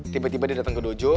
tiba tiba dia datang ke dojo